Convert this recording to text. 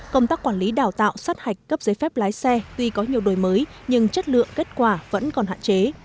công tác quản lý đào tạo sát hạch cấp giấy phép lái xe tuy có nhiều đổi mới nhưng chất lượng kết quả vẫn còn hạn chế